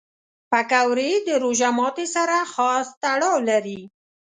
پکورې د روژه ماتي سره خاص تړاو لري